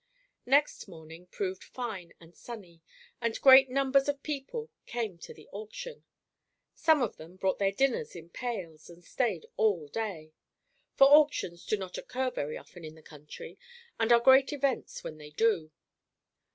Next morning proved fine and sunny, and great numbers of people came to the auction. Some of them brought their dinners in pails, and stayed all day, for auctions do not occur very often in the country, and are great events when they do.